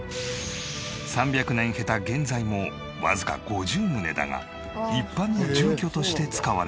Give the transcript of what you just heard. ３００年経た現在もわずか５０棟だが一般の住居として使われている。